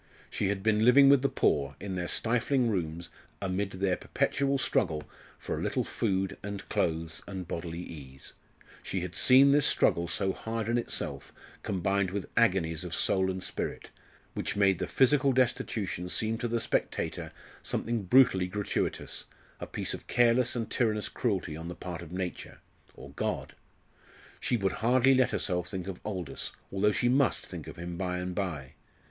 She had been living with the poor, in their stifling rooms, amid their perpetual struggle for a little food and clothes and bodily ease; she had seen this struggle, so hard in itself, combined with agonies of soul and spirit, which made the physical destitution seem to the spectator something brutally gratuitous, a piece of careless and tyrannous cruelty on the part of Nature or God? She would hardly let herself think of Aldous though she must think of him by and by!